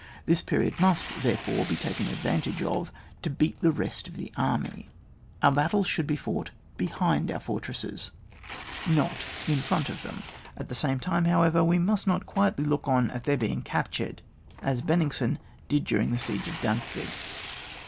This period must, there fore, be taken advantage of to beat the rest of the army. Our battles should be fought behind our fortresses, not in /rw»^ dU^^ SUMMARY OF INSTRUCTION. 115 of them. At the same time, however, we must not quietly look on at their being captured, as Benningsen did during the siege of Dantzig.